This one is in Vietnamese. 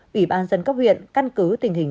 ủy ban dân cấp huyện căn cứ tình hình